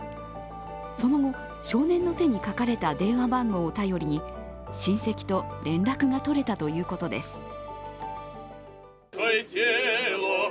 その後、少年の手に書かれた電話番号を頼りに親戚と連絡がとれたということです。